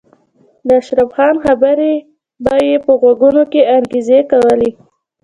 د اشرف خان خبرې به یې په غوږونو کې انګازې کولې